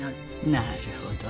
なるほど。